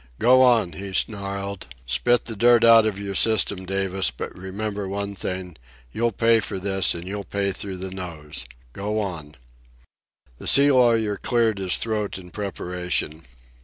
"Go on!" he snarled. "Spit the dirt out of your system, Davis; but remember one thing: you'll pay for this, and you'll pay through the nose. Go on!" The sea lawyer cleared his throat in preparation.